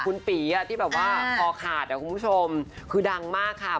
คุณปีอ่ะที่แบบว่าคอขาดอ่ะคุณผู้ชมคือดังมากค่ะ